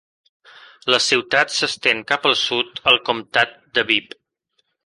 La ciutat s'estén cap al sud al comtat de Bibb.